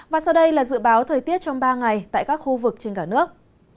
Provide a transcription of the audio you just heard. và sau đây là dự báo thời tiết trong ba ngày tại các khu vực trên cả nước